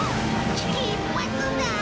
危機一髪だ。